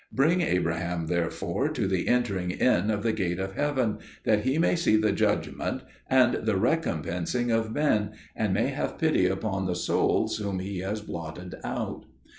Bring Abraham therefore to the entering in of the gate of heaven, that he may see the judgment and the recompensing of men, and may have pity upon the souls whom he has blotted out."